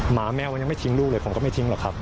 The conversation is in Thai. หมาแมวมันยังไม่ทิ้งลูกเลยผมก็ไม่ทิ้งหรอกครับ